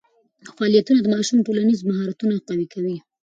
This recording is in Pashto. فعالیتونه د ماشوم ټولنیز مهارتونه قوي کوي.